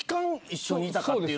一緒にいたか。